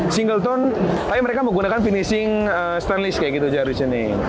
single tone tapi mereka menggunakan finishing stainless kayak gitu dari sini